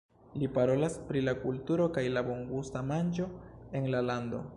Li parolas pri la kulturo kaj la bongusta manĝo en la lando.